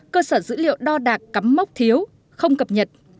cơ sở dữ liệu đo đạc cắm mốc thiếu không cập nhật